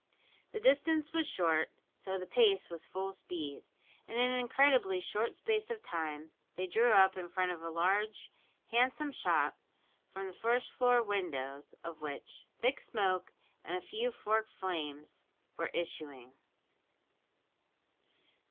The distance was short, so the pace was full speed, and in an incredibly short space of time they drew up in front of a large, handsome shop, from the first floor windows of which thick smoke and a few forked flames were issuing.